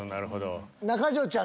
中条ちゃん